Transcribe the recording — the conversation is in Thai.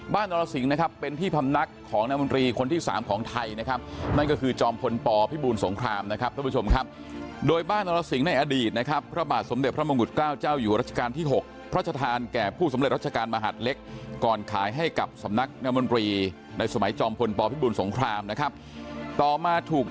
นรสิงห์นะครับเป็นที่พำนักของนามนตรีคนที่สามของไทยนะครับนั่นก็คือจอมพลปพิบูลสงครามนะครับท่านผู้ชมครับโดยบ้านอรสิงห์ในอดีตนะครับพระบาทสมเด็จพระมงกุฎเกล้าเจ้าอยู่รัชกาลที่๖พระชธานแก่ผู้สำเร็จราชการมหัดเล็กก่อนขายให้กับสำนักนมนตรีในสมัยจอมพลปพิบูลสงครามนะครับต่อมาถูก